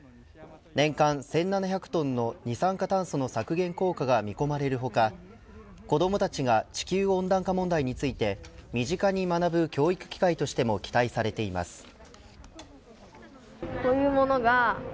年間１７００トンの二酸化炭素の削減効果が見込まれる他子どもたちが地球温暖化問題について身近に学ぶ教育機会としても期待されています。